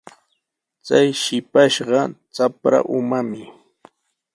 Chay shipashqa trapsa umami.